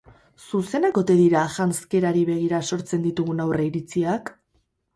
Zuzenak ote dira janzkerari begira sortzen ditugun aurreiritziak?